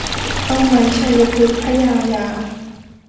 เอาไม้ไชยพฤกษ์พระยายา